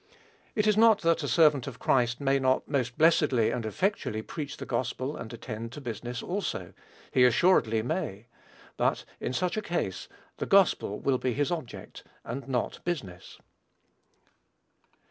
It is not that a servant of Christ may not most blessedly and effectually preach the gospel and attend to business also: he assuredly may; but, in such a case, the gospel will be his object, and not business.